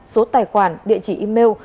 số tài khoản địa chỉ email